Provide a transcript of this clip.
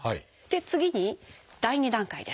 次に第２段階です。